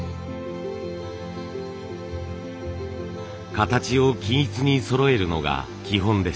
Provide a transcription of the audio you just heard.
形を均一にそろえるのが基本です。